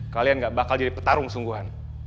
kalian gak bakal jadi petarung sungguhan